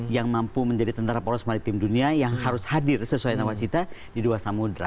yang mampu menjadi tentara poros maritim dunia yang harus hadir sesuai nawacita di dua samudera